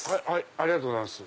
ありがとうございます。